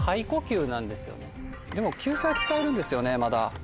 でも救済使えるんですよねまだ。